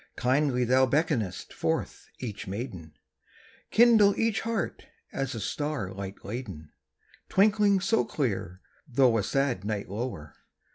Kindly thou beckonest forth each maiden; Kindle each heart as a star light laden, Twinkling so clear, though a sad night lower!